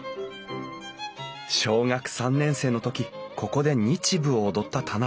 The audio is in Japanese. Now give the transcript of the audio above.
小学３年生の時ここで日舞を踊った田邊さん。